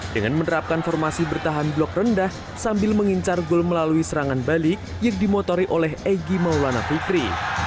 dengan menerapkan formasi bertahan blok rendah sambil mengincar gol melalui serangan balik yang dimotori oleh egy maulana putri